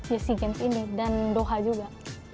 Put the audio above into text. yesi games ini dan doha juga